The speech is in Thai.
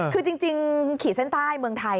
คือจริงขีดเส้นใต้เมืองไทย